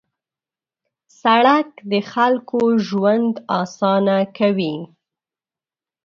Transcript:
سړک د خلکو ژوند اسانه کوي.